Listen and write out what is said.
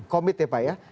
komit ya pak ya